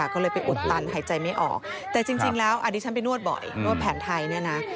ก็เลยไปอุดตันหายใจไม่ออกแต่จริงแล้วอันนี้ฉันไปนวดบ่อยนวดแผนไทยเนี่ยนะ